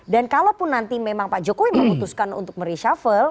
dan kalaupun nanti memang pak jokowi memutuskan untuk mereshuffle